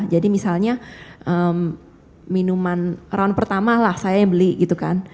jadi misalnya minuman round pertama lah saya yang beli gitu kan